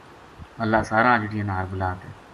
اللہ ساراں اجڑیاں نا ہر بلا